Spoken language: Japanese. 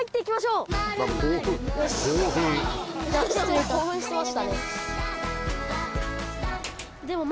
もう興奮してましたね